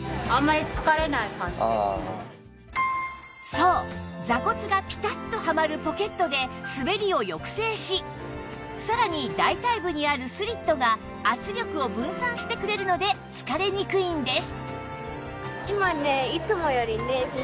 そう座骨がピタッとはまるポケットですべりを抑制しさらに大腿部にあるスリットが圧力を分散してくれるので疲れにくいんです